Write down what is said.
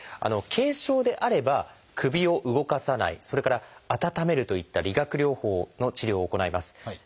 軽症であれば首を動かさないそれから温めるといった理学療法の治療を行います。